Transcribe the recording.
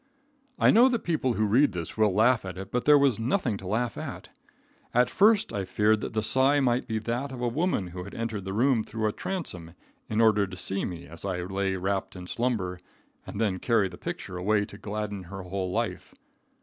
I know that people who read this will laugh at it, but there was nothing to laugh at. At first I feared that the sigh might be that of a woman who had entered the room through a transom in order to see me, as I lay wrapt in slumber, and then carry the picture away to gladden her whole life.